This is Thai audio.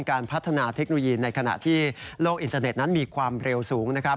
การพัฒนาเทคโนโลยีในขณะที่โลกอินเทอร์เน็ตนั้นมีความเร็วสูงนะครับ